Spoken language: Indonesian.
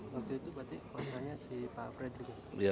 waktu itu berarti kuasanya si pak fredrik ya